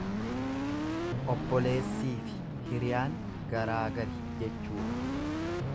Obboleessiifi hiriyaan garaagari jechuudha.